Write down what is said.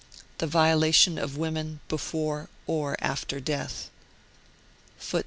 THE VIOLATION OF WOMEN BEFORE OR AFTER DEATH. *.